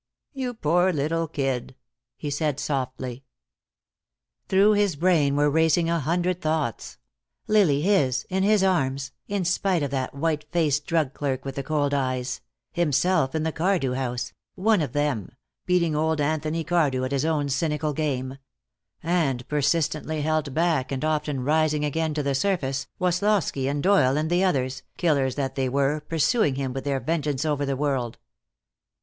"You poor little kid," he said, softly. Through his brain were racing a hundred thoughts; Lily his, in his arms, in spite of that white faced drug clerk with the cold eyes; himself in the Cardew house, one of them, beating old Anthony Cardew at his own cynical game; and persistently held back and often rising again to the surface, Woslosky and Doyle and the others, killers that they were, pursuing him with their vengeance over the world.